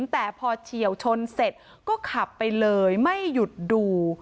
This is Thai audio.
แต่พอเฉียวชนเสร็จก็ขับไปเลยไม่หยุดดู